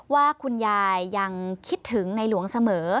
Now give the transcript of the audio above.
ว่าคุณยายยังคิดถึงในหลวงเสมอ